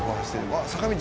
あっ坂道。